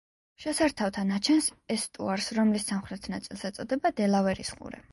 შესართავთან აჩენს ესტუარს, რომლის სამხრეთ ნაწილს ეწოდება დელავერის ყურე.